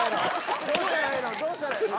どうしたらええの？